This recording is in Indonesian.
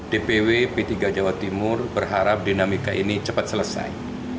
dpw p tiga jawa timur berharap dinamika ini cepat selesai